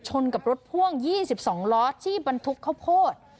กับรถพ่วง๒๒ล้อที่บรรทุกข้าวโพด